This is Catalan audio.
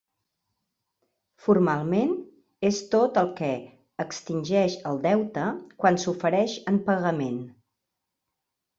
Formalment, és tot el que extingeix el deute quan s'ofereix en pagament.